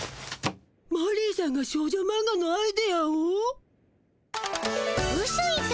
マリーさんが少女マンガのアイデアを？